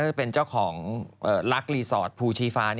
ก็เป็นเจ้าของรักรีสอร์ทภูชีฟ้า